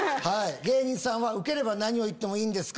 芸人さんはウケれば何を言ってもいいんですか？